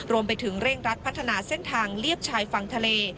รวมไปถึงเร่งรัดพัฒนาเส้นทางเลียบชายฝั่งทะเล